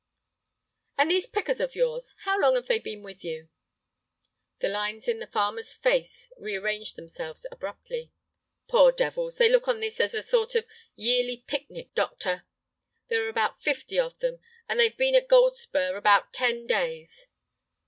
"And these pickers of yours, how long have they been with you?" The lines in the farmer's face rearranged themselves abruptly. "Poor devils, they look on this as a sort of yearly picnic, doctor. There are about fifty of them, and they've been at Goldspur about ten days."